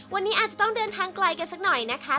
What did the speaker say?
วันนี้อาจจะต้องเดินทางไกลกันสักหน่อยนะคะ